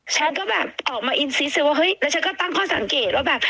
ฉันก็แบบออกมาอินซีสิว่าเฮ้ยแล้วฉันก็ตั้งข้อสังเกตว่าแบบ